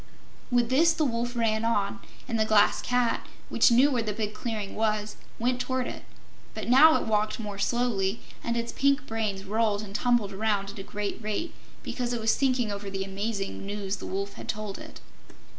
With this the Wolf ran on, and the Glass Cat, which knew where the big clearing was, went toward it. But now it walked more slowly, and its pink brains rolled and tumbled around at a great rate because it was thinking over the amazing news the Wolf had told it.